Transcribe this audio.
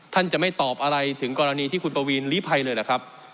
ท่านจะไม่ตอบอะไรถึงกรณีที่คุณปวีนลีภัยเลยหรือครับ